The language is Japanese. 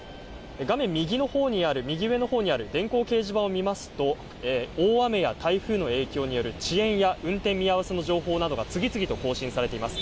画面右のほうにある、右上のほうにある電光掲示板を見ますと、大雨や台風の影響による遅延や運転見合わせの情報などが次々と更新されています。